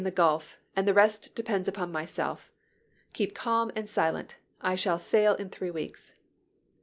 a flag iu the Gulf, and the rest depends upon myself. Keep calm and silent ; I shall sail in three weeks."